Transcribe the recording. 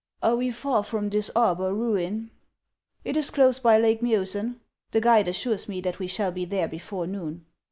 " Are we far from this Arbar ruin ?"" It is close by Lake Mibsen. The guide assures ine that we shall be there before noon."